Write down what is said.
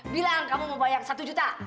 bilang kamu mau bayar satu juta